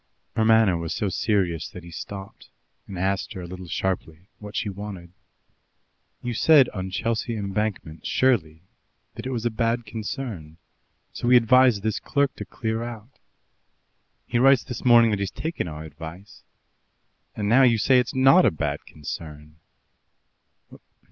Her manner was so serious that he stopped, and asked her a little sharply what she wanted. "You said on Chelsea Embankment, surely, that it was a bad concern, so we advised this clerk to clear out. He writes this morning that he's taken our advice, and now you say it's not a bad concern.